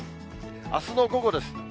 あすの午後です。